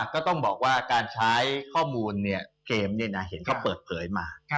ก็ต้องบอกว่าการใช้ข้อมูลเกมเห็นเขาเปิดเผยมา